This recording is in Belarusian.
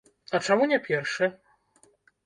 А чаму не першы?